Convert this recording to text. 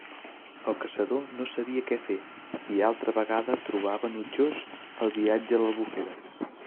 El caçador no sabia què fer, i altra vegada trobava enutjós el viatge a l'Albufera.